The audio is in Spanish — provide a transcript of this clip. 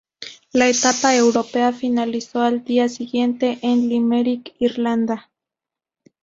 La etapa europea finalizó al día siguiente en Limerick, Irlanda.